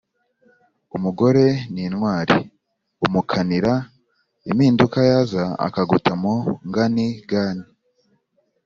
Umugore ni intwari, umukanira ----- impinduka yaza akaguta mu nganigani.